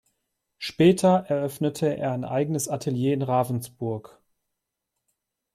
Später eröffnete er ein eigenes Atelier in Ravensburg.